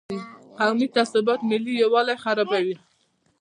قومي تعصبات ملي یووالي خرابوي.